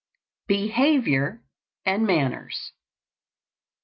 BEHAVIOR AND MANNERS.